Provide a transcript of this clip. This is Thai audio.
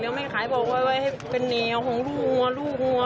แล้วไม่ขายบอกว่าให้เป็นแนวของลูกหัว